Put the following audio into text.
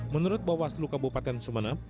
menurut bawaslu kabupaten sumeneb